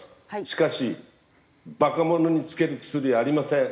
しかしバカ者につける薬ありません！